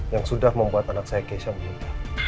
yang sudah membuat anak saya keisha meninggal